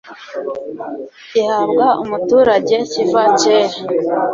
gihabwa umuturage kiva kera